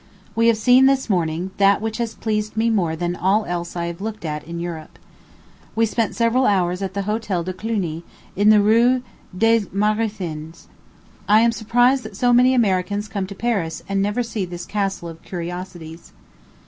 We have seen, this morning, that which has pleased me more than all else I have looked at in Europe. We spent several hours at the Hotel de Cluny, in the Rue des Mathurins. I am surprised that so many Americans come to Paris and never see this castle of curiosities.